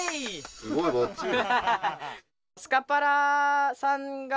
・すごいバッチリ。